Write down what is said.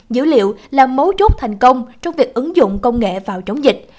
dữ liệu là mấu chốt thành công trong việc ứng dụng công nghệ vào chống dịch